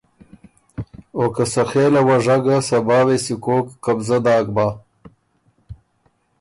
او که سخېله وه ژۀ ګۀ صبا وې سُو کوک قبضۀ داک بۀ